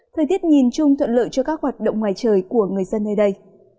thời tiết nhìn chung thuận lợi cho các hoạt động ngoài trời của người dân nơi đây